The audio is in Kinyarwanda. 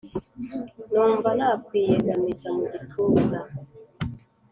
Numva nakwiyegamiza mugituza